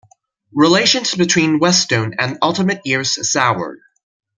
Relations between Westone and Ultimate Ears soured.